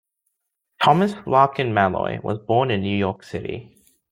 Thomas Larkin Malloy was born in New York City.